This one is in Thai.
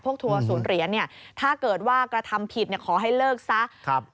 ทัวร์ศูนย์เหรียญเนี่ยถ้าเกิดว่ากระทำผิดขอให้เลิกซะ